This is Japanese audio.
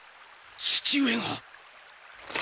父上が！